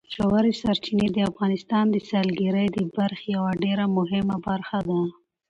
ژورې سرچینې د افغانستان د سیلګرۍ د برخې یوه ډېره مهمه برخه ده.